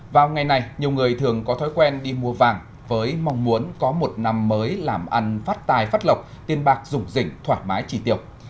vào ngày này nhiều người thường có thói quen đi mua vàng với mong muốn có một năm mới làm ăn phát tài phát lọc tiền bạc rụng rỉnh thoải mái trì tiêu